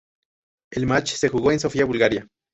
El match se jugó en Sofía, Bulgaria.